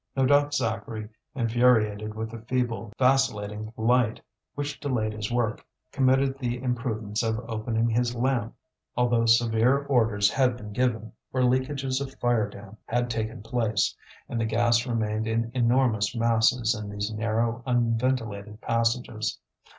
No doubt Zacharie, infuriated with the feeble vacillating light, which delayed his work, committed the imprudence of opening his lamp, although severe orders had been given, for leakages of fire damp had taken place, and the gas remained in enormous masses in these narrow, unventilated passages.